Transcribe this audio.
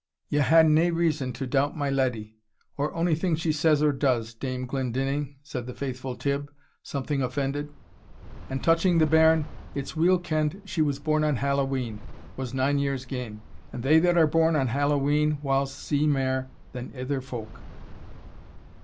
"Ye hae nae reason to doubt my leddy, or ony thing she says or does, Dame Glendinning," said the faithful Tibb, something offended; "and touching the bairn, it's weel kend she was born on Hallowe'en, was nine years gane, and they that are born on Hallowe'en whiles see mair than ither folk."